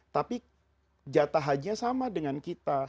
tapi jatah hajinya sama dengan kita